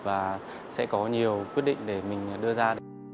và sẽ có nhiều quyết định để mình đưa ra